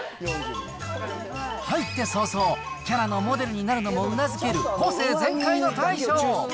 入って早々、キャラのモデルになるのもうなずける、個性全開の大将。